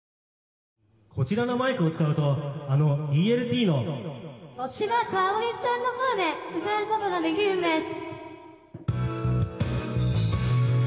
こちらのマイクを使うとあのＥＬＴの持田香織さんの声で歌うことができるんです。